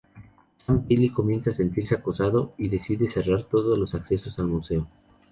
Sam Baily comienza a sentirse acosado y decide cerrar todos los accesos al museo.